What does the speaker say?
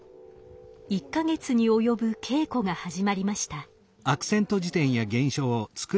１か月に及ぶ稽古が始まりました。